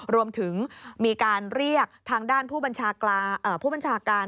รวมถึงมีการเรียกทางด้านผู้บัญชาการ